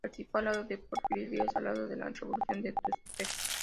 Participó al lado de Porfirio Díaz al lado de la Revolución de Tuxtepec.